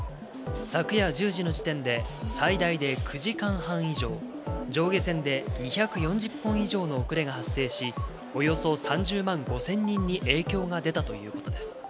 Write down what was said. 昨夜１０時の時点で最大で９時間半以上、上下線で２４０本以上の遅れが発生し、およそ３０万５０００人に影響が出たということです。